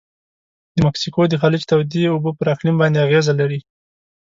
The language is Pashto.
د مکسیکو د خلیج تودې اوبه پر اقلیم باندې اغیزه لري.